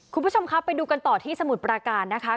คุณผู้ชมครับไปดูกันต่อที่สมุทรปราการนะคะ